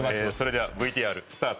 ＶＴＲスタート。